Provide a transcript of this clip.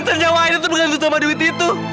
senjawa aida tergantung sama duit itu